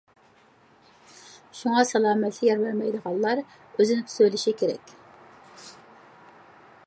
شۇڭا سالامەتلىكى يار بەرمەيدىغانلار ئۆزىنى تۇتۇۋېلىشى كېرەك.